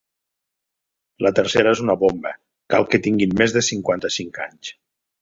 La tercera és una bomba: cal que tinguin més de cinquanta-cinc anys.